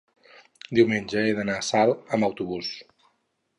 diumenge he d'anar a Salt amb autobús.